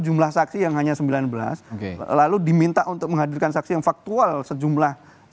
jumlah saksi yang hanya sembilan belas lalu diminta untuk menghadirkan saksi yang faktual sejumlah